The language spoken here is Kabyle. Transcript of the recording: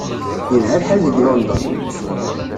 Yelha lḥal deg London.